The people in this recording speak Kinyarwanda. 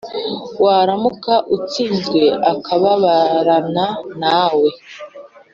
waramuka utsinzwe, akababarana nawe.